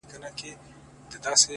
سیاه پوسي ده- اوښکي نڅېږي-